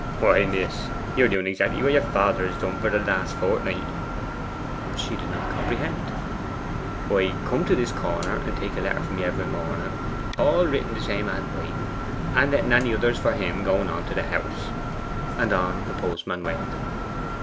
'Why, miss, you are doing what your father has done for the last fortnight.' She did not comprehend. 'Why, come to this corner, and take a letter of me every morning, all writ in the same handwriting, and letting any others for him go on to the house.' And on the postman went.